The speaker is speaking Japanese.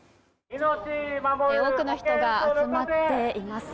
多くの人が集まっています。